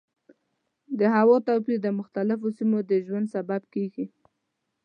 د هوا توپیر د مختلفو سیمو د ژوند سبب کېږي.